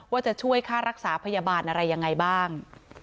ว่าจะช่วยค่ารักษาพยาบาลอะไรยังไงบ้าง